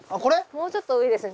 もうちょっと上ですね。